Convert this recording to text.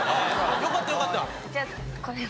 よかったよかった。